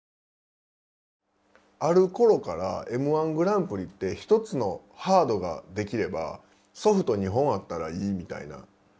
あるころからＭ−１グランプリって１つのハードが出来ればソフト２本あったらいいみたいな。